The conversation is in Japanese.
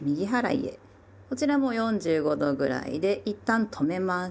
こちらも４５度ぐらいでいったん止めます。